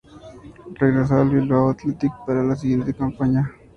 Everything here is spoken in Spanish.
Regresó al Bilbao Athletic para la siguiente campaña.